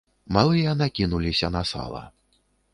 Малыя накінуліся на сала.